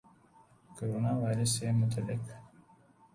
corona virus سے متعلق